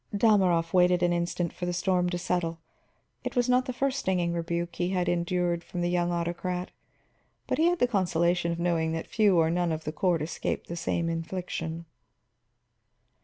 Dalmorov waited an instant for the storm to settle. It was not the first stinging rebuke he had endured from the young autocrat, but he had the consolation of knowing that few or none of the court escaped the same infliction.